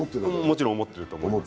もちろん思ってると思います。